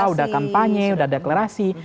sudah kampanye sudah deklarasi